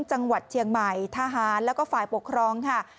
จังหวัดเชียงใหม่ทหารแล้วก็ฝ่ายปกครองค่ะ